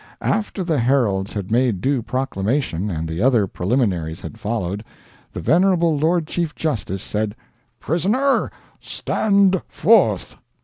After the heralds had made due proclamation and the other preliminaries had followed, the venerable Lord Chief justice said: "Prisoner, stand forth!"